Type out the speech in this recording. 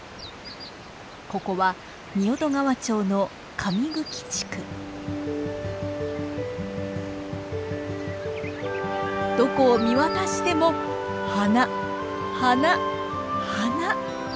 ここは仁淀川町のどこを見渡しても花花花！